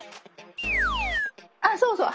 あっそうそう。